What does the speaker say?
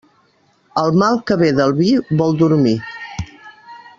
El mal que ve del vi vol dormir.